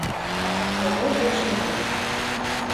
— Когой деч йодеш.